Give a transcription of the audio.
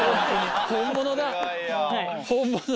本物だ！